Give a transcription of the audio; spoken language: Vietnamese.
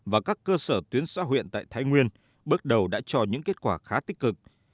và các cơ sở tuyến xã huyện tại thái nguyên bước đầu đã cho những kết quả khá tích cực